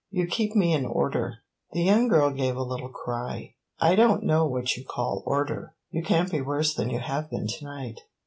"You keep me in order." The young girl gave a little cry. "I don't know what you call order! You can't be worse than you have been to night."